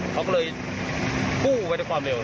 โบกเลยกู้ไปทั้งความเร็วครับ